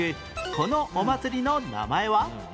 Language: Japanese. このお祭りの名前は？